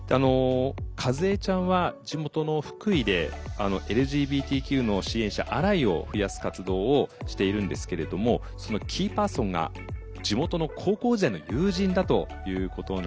かずえちゃんは地元の福井でＬＧＢＴＱの支援者アライを増やす活動をしているんですけれどもそのキーパーソンが地元の高校時代の友人だということなんです。